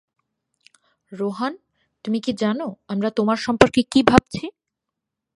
রোহান, তুমি কি জানো, আমরা তোমার সম্পর্কে কী ভাবছি?